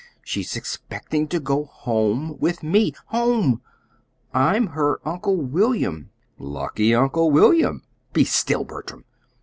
She's expecting to go home with me HOME! I'm her Uncle William." "Lucky Uncle William!" "Be still, Bertram!"